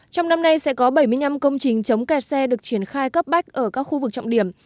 trong năm nay sẽ có bảy mươi năm công trình chống kẹt xe được triển khai cấp bách ở các khu vực trọng điểm